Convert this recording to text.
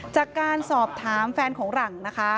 จากการสอบถามแฟนของหลังนะคะ